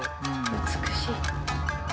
美しい。